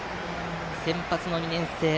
先発の２年生